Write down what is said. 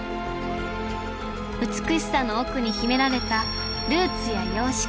美しさの奥に秘められたルーツや様式。